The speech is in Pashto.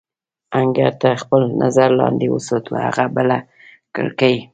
انګړ تر خپل نظر لاندې وساتو، هغه بله کړکۍ.